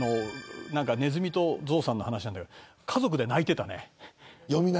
ネズミとゾウさんの話なんだけど家族で泣いていた。